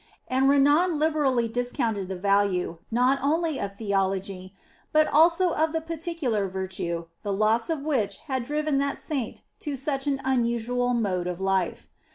And Renan liberally discounted the value, not only of Theology, but also of the particular virtue, the loss of which had driven that Saint to such an unusual mode of life.